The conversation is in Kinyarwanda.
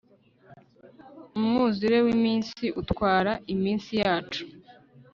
umwuzure wiminsi utwara iminsi yacu